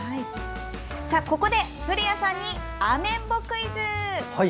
ここで、古谷さんにアメンボクイズ！